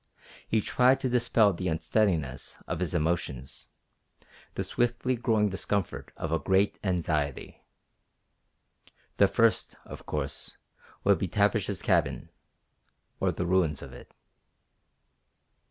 He tried to dispel the unsteadiness of his emotions, the swiftly growing discomfort of a great anxiety. The first, of course, would be Tavish's cabin, or the ruins of it.